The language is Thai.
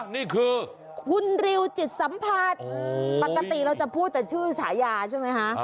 นี่คือคุณริวจิตสัมผัสปกติเราจะพูดแต่ชื่อฉายาใช่ไหมคะ